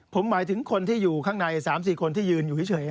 ผมหมายถึงคนที่อยู่ข้างใน๓๔คนที่ยืนอยู่เฉย